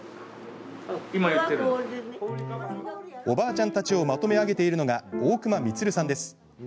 おばあちゃんたちをまとめ上げているのが大熊充さんです。